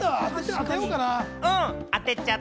当てようかな。